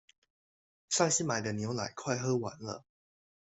上次買的牛奶快喝完了